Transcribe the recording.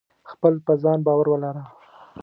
خپل په ځان باور ولره.